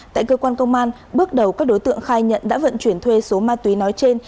tại cơ quan công an bước đầu các đối tượng khai nhận đã vận chuyển thuê số ma túy nói trên